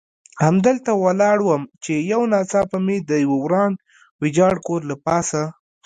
همدلته ولاړ وم، چې یو ناڅاپه مې د یوه وران ویجاړ کور له پاسه.